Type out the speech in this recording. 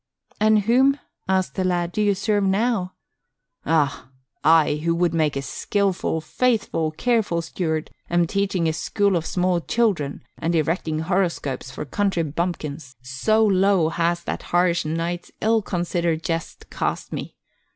"And whom," asked the lad, "do you serve now?" "Ah! I, who would make a skillful, faithful, careful steward, am teaching a school of small children, and erecting horoscopes for country bumpkins, so low has that harsh knight's ill considered jest cast me.